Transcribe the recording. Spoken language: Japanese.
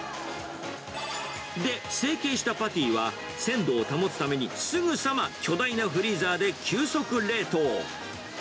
で、成型したパティは、鮮度を保つためにすぐさま巨大なフリーザーで急速冷凍。